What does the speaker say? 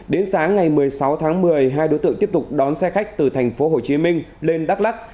đến sáng ngày một mươi sáu tháng một mươi hai đối tượng tiếp tục đón xe khách từ tp hcm lên đắk lắc